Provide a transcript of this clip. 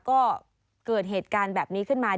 ก็เกิดเหตุการณ์แบบนี้ขึ้นมา